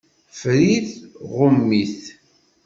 Ffer-it, ɣum-it.